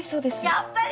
やっぱり！